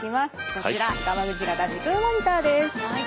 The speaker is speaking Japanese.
こちらガマグチ型時空モニターです。